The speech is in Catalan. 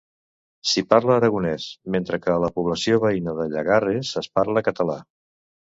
S'hi parla aragonès, mentre que a la població veïna de Llaguarres es parla català.